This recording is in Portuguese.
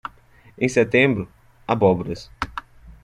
Em setembro, abóboras.